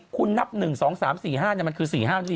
คุณนับ๑๒๓๔๕มันคือ๔๕๔